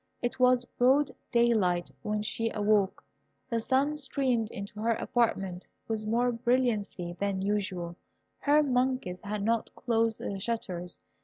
It was broad daylight when she awoke. The sun streamed into her apartment with more brilliancy than usual: her monkeys had not closed the shutters.